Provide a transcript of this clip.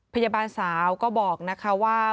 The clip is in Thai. พยาบาลสาวก็บอกนะคะว่า